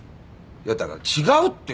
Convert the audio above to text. いやだから違うって！